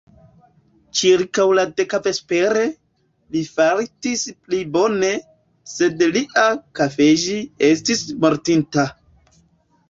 Ĉirkaŭ la deka vespere, li fartis pli bone, sed lia _kafeĝi_ estis mortinta.